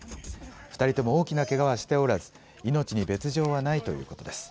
２人とも大きなけがはしておらず命に別状はないということです。